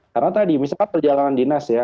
karena tadi misalnya perjalanan dinas ya